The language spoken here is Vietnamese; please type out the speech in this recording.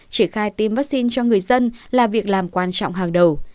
triển khai tiêm vaccine cho người dân là việc làm quan trọng hàng đầu